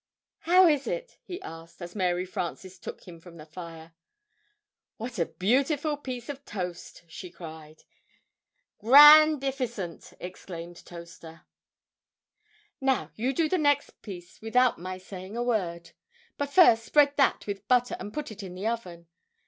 "How is it?" he asked, as Mary Frances took him from the fire. "What a beautiful piece of toast!" she cried. "Grand if i cent!" exclaimed Toaster. "Now, you do the next piece without my saying a word but first spread that with butter, and put it in the oven.